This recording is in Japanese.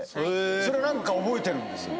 それなんか覚えてるんですよ。